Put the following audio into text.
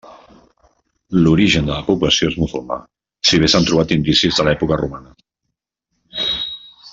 L'origen de la població és musulmà, si bé s'han trobat indicis de l'època romana.